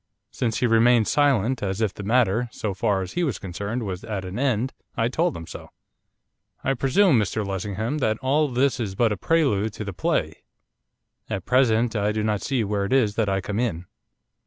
Since he remained silent, as if the matter, so far as he was concerned, was at an end, I told him so. 'I presume, Mr Lessingham, that all this is but a prelude to the play. At present I do not see where it is that I come in.